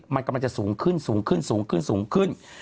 มันกำลังจะสูงขึ้นสูงขึ้นสูงขึ้นสูงขึ้น